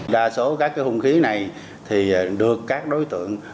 đa số các hung khí này thì được các đối tượng